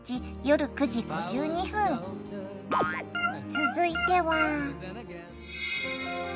続いては！